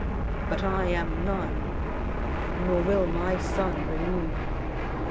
But I am None; nor will my Sunne renew.